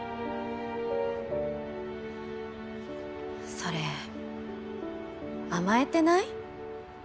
それ甘えてない？